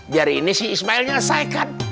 biar ini si ismail nyelesaikan